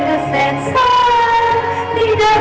ขอบคุณทุกเรื่องราว